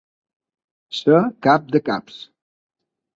Ser cap de caps.